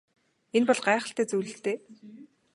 Энэ бол гайхалтай зүйл л дээ.